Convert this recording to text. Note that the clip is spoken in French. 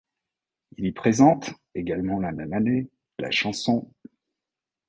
Il y présente, également la même année, la chanson '.